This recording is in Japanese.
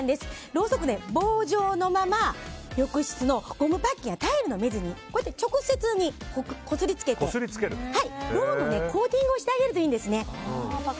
ろうそく、棒状のまま浴室のゴムパッキンやタイルの目地に直接こすりつけてろうのコーティングをしてあげるといいんですね。